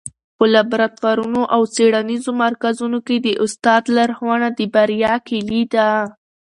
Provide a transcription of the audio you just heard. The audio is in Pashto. په لابراتوارونو او څېړنیزو مرکزونو کي د استاد لارښوونه د بریا کيلي ده.